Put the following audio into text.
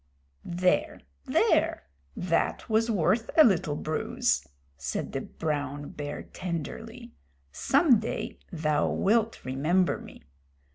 "There there! That was worth a little bruise," said the brown bear tenderly. "Some day thou wilt remember me."